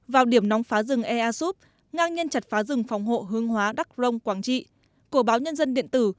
vào điểm nóng phá rừng easup ngang nhân chặt phá rừng phòng hộ hướng hóa đắk long quảng trị của báo nhân dân điện tử